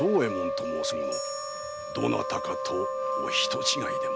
どなたかとお人違いでも。